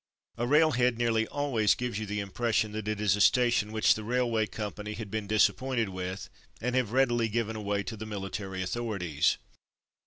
A railhead nearly always gives you the impression that it is a station which the railway company have been disappointed with, and have readily given away to the military authorities.